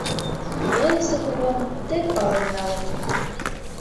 Ялысе кувам тек пален налыт.